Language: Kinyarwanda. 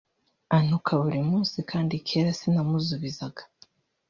antuka buri munsi kandi kera sinamuzubizaga